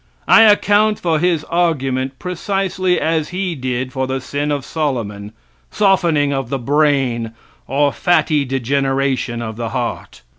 I account for his argument precisely as he did for the sin of Solomon, softening of the brain, or fatty degeneration of the heart.